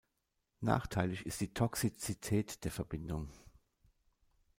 Nachteilig ist die Toxizität der Verbindung.